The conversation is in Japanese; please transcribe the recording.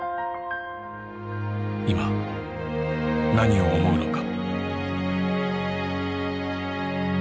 今何を思うのか。